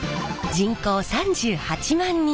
人口３８万人。